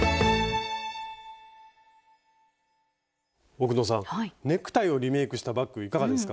奥野さんネクタイをリメイクしたバッグいかがですか？